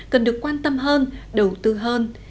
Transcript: cần được quan tâm hơn đầu tư hơn